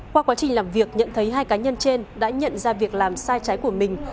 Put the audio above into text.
qua quá trình làm việc nhận thấy hai cá nhân trên đã nhận ra việc làm sai trái của mình